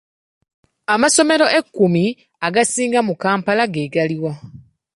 Amasomero ekkumi agasinga mu Kampala ge galiwa?